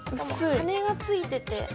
羽根が付いてて。